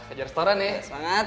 ajar restoran ya